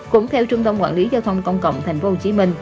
cũng theo trung tâm quản lý giao thông công cộng tp hcm